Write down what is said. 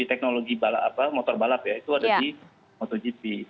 teknologi motor balap ya itu ada di motogp